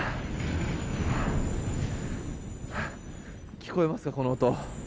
聞こえますか、この音。